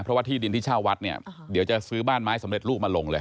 เพราะว่าที่ดินที่เช่าวัดเนี่ยเดี๋ยวจะซื้อบ้านไม้สำเร็จลูกมาลงเลย